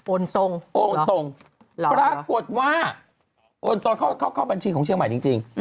โอนตรงเหรอหรอปรากฏว่าโอนตรงเข้าบัญชีของเชียงใหม่จริง